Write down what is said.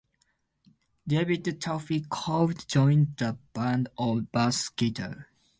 David "Tufty" Clough joined the band on bass guitar.